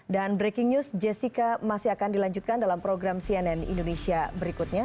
dan breaking news jessica masih akan dilanjutkan dalam program cnn indonesia berikutnya